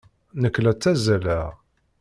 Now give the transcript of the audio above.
Nekk la ttazzaleɣ.